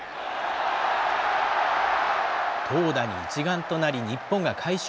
投打に一丸となり、日本が快勝。